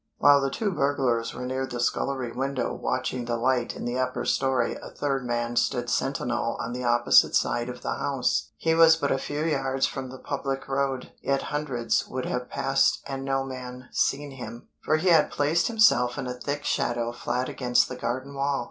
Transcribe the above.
WHILE the two burglars were near the scullery window watching the light in the upper story a third man stood sentinel on the opposite side of the house; he was but a few yards from the public road, yet hundreds would have passed and no man seen him; for he had placed himself in a thick shadow flat against the garden wall.